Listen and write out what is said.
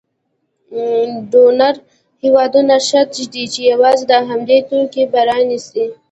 ډونر هېوادونه شرط ږدي چې یوازې د همدوی توکي به رانیسي.